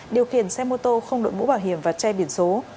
điều khiển xe mô tô không đội mũ bảo hiểm và che biển số